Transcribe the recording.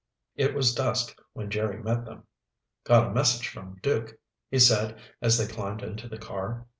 It was dusk when Jerry met them. "Got a message from Duke," he said as they climbed into the car.